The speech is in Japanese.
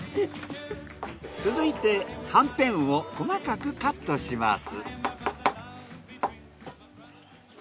続いてはんぺんを細かくカットします。